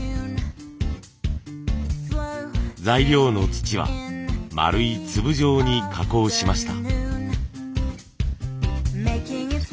材料の土は丸い粒状に加工しました。